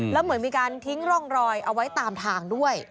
แล้วเหมือนมีการทิ้งร่องรอยเอาไว้ตามทางด้วย